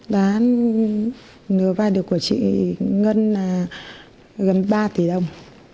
đã nửa vai được của chị ngân gần ba tỷ đồng